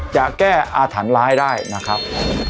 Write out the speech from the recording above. จะแก้อาถรรพ์ร้ายได้นะครับ